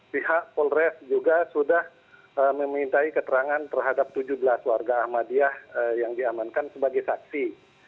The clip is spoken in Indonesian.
pihak polres juga sudah memintai keterangan terhadap tujuh belas warga ahmadiyah yang diamankan sebagai saksi